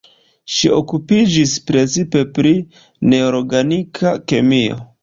Ŝi okupiĝis precipe pri neorganika kemio.